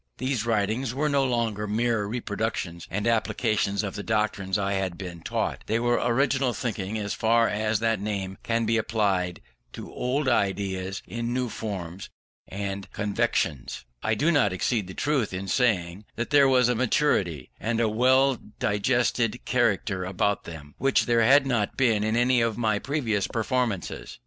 These writings were no longer mere reproductions and applications of the doctrines I had been taught; they were original thinking, as far as that name can be applied to old ideas in new forms and connexions: and I do not exceed the truth in saying that there was a maturity, and a well digested, character about them, which there had not been in any of my previous performances.